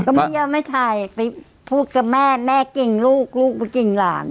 ก็มีเอาไว้ถ่ายพูดกับแม่แม่เก็งลูกลูกมันเก็งหลาน